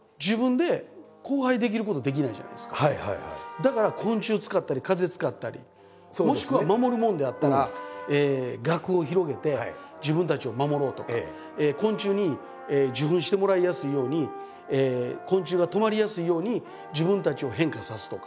だから昆虫使ったり風使ったりもしくは守るものであったらがくを広げて自分たちを守ろうとか昆虫に受粉してもらいやすいように昆虫が止まりやすいように自分たちを変化さすとか。